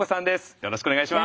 よろしくお願いします。